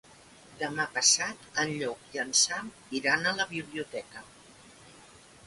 Demà passat en Llop i en Sam iran a la biblioteca.